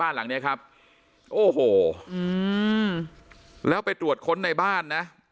หลังเนี้ยครับโอ้โหแล้วไปตรวจค้นในบ้านนะ